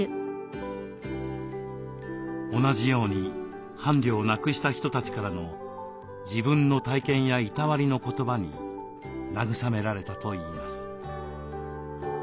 同じように伴侶を亡くした人たちからの自分の体験やいたわりの言葉に慰められたといいます。